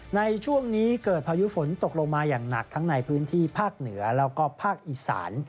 ในช่วงนี้เกิดพายุฝนตกลงมาอย่างหนักทั้งในพื้นที่ภาคเหนือแล้วก็ภาคอีสาน